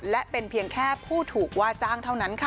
และเป็นเพียงแค่ผู้ถูกว่าจ้างเท่านั้นค่ะ